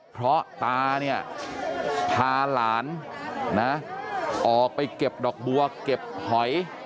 เพราะตาเนี่ยพาหลานนะออกไปเก็บดอกบัวเก็บหอย